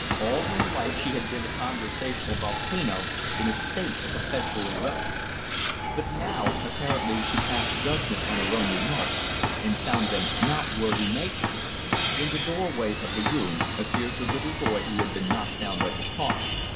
All her life she had been a conversational volcano, in a state of perpetual eruption; but now, apparently she passed judgment on her own remarks, and found them not worth making. In the doorway of the room appeared the little boy who had been knocked down by the car.